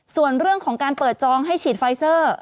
ส่วนเรื่องของการเปิดจองให้ฉีดไฟเซอร์